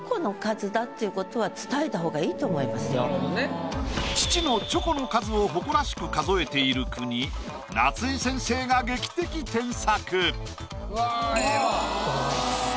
ひとまず父のチョコの数を誇らしく数えている句に夏井先生が劇的添削。